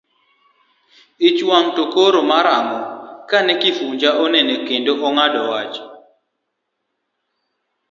Ich wang' to koro mar ang'o kane Kifuja oneno kendo ong'ado wach?